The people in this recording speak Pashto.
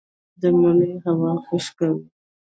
د مني هوا خشکه وي